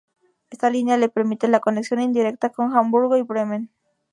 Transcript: Esta línea le permite la conexión indirecta con Hamburgo y Bremen.